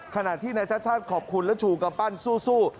ขณะที่นัชชาติขอบคุณและฉูกับปั้นสู้